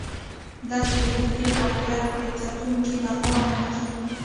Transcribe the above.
دلته د پدیدې واقعیت د کتونکو لخوا منل کېږي.